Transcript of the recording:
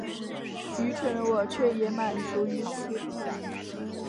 愚蠢的我却也满足於此